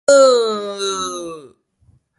怪盗が現れたらしく、パトカーが走り回っている。